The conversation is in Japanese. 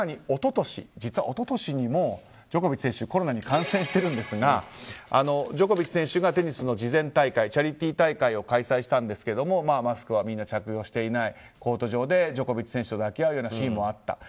更に一昨年にもジョコビッチ選手コロナに感染しているんですがジョコビッチ選手がテニスの慈善大会チャリティー大会を開催したんですがマスクはみんな着用していないコート上でジョコビッチ選手と抱き合うようなシーンもあった。